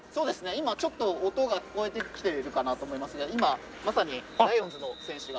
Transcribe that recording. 今ちょっと音が聞こえてきているかなと思いますが今まさにライオンズの選手が。